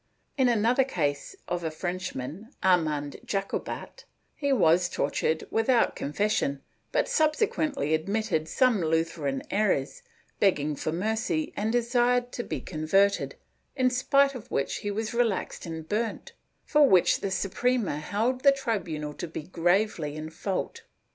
In another case of a Frenchman, Armand Jacobat, he was tor tured without confession, but subsequently admitted some Luth eran errors, begged for mercy and desired to be converted, in spite of which he was relaxed and burnt, for which the Suprema held the tribunal to be gravely in fault.